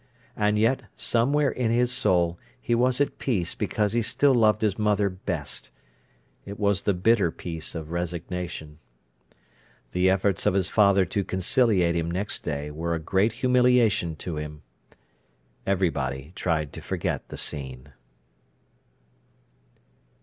And yet, somewhere in his soul, he was at peace because he still loved his mother best. It was the bitter peace of resignation. The efforts of his father to conciliate him next day were a great humiliation to him. Everybody tried to forget the scene.